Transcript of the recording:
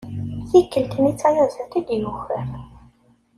Tikkelt-nni d tayaẓiḍt i d-yuker.